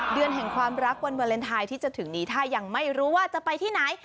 เดือนแห่งความรักวันวาเลนไทยที่จะถึงนี้ถ้ายังไม่รู้ว่าจะไปที่ไหน